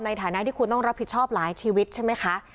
ในฐานะที่คุณต้องรับผิดชอบหลายชีวิตใช่ไหมคะ